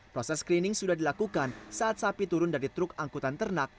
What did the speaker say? proses screening sudah dilakukan saat sapi turun dari truk angkutan ternak